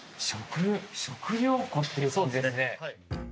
食料庫っていう感じですね。